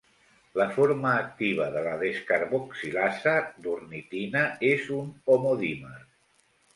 La forma activa de la descarboxilasa d'ornitina és un homodímer.